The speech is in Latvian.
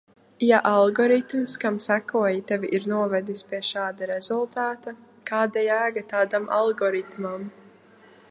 Ja algoritms, kam sekoji, tevi ir novedis pie šāda rezultāta, kāda jēga tādam algoritmam?